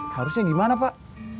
harusnya gimana pak